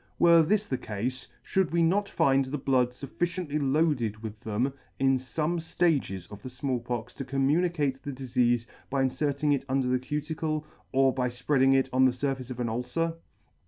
Were this [ 56 ] •this the cafe, fhould we not find the blood fufficiently loaded with them in fome ftages of the Small Pox to communicate the difeafe by inferring it under the cuticle, or by fpreading it on the furface of an ulcer?